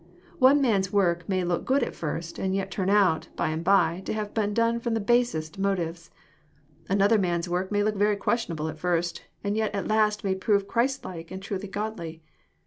One man's work may look good at first, and yet turn out,„by and by, to ^ave been done fVom the basest motives. Another man's work may look very questionable at first, and yet at last may prove Christ like and truly godly.